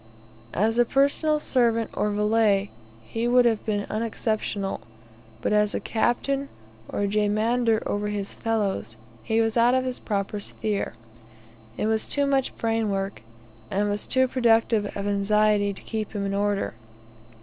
As a personal servant, or valet, he would have been unexceptionable, but as a captain or jemadar over his fellows, he was out of his proper sphere. It was too much brain work, and was too productive of anxiety to keep him in order.